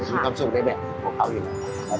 มีความสุขด้วยแบบของเขาอยู่แล้วค่ะ